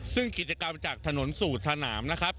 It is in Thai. ซึ่งกิจกรรมจากถนนสูตรสนามนะครับ